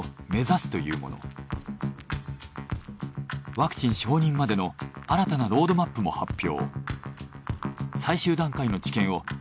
ワクチン承認までの新たなロードマップも発表。